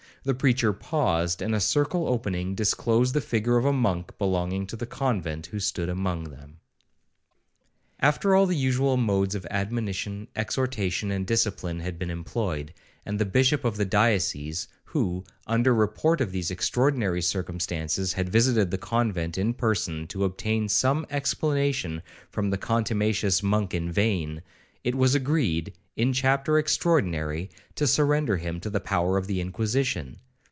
The preacher paused, and a circle opening, disclosed the figure of a monk belonging to the convent, who stood among them. After all the usual modes of admonition, exhortation, and discipline had been employed, and the bishop of the diocese, who, under the report of these extraordinary circumstances, had visited the convent in person to obtain some explanation from the contumacious monk in vain, it was agreed, in a chapter extraordinary, to surrender him to the power of the Inquisition.